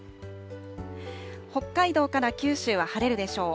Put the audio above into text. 北海道から九州は晴れるでしょう。